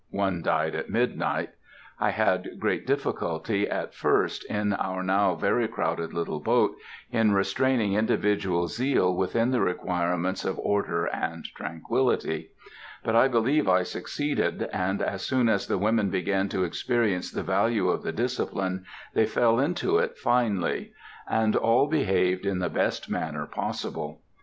One died at midnight. I had great difficulty, at first, in our now very crowded little boat, in restraining individual zeal within the requirements of order and tranquillity; but I believe I succeeded, and as soon as the women began to experience the value of the discipline, they fell into it finely, and all behaved in the best manner possible.